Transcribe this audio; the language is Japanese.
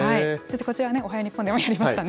こちらね、おはよう日本でもやりましたね。